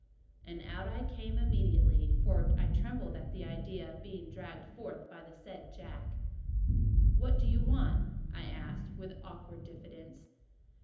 And I came out immediately, for I trembled at the idea of being dragged forth by the said Jack. "What do you want?" I asked, with awkward diffidence.